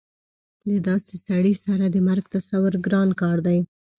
د داسې سړي سره د مرګ تصور ګران کار دی